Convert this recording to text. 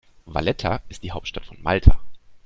Valletta ist die Hauptstadt von Malta.